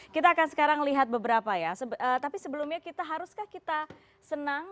kita akan sekarang lihat beberapa ya tapi sebelumnya kita haruskah kita senang